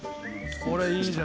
これいいじゃん。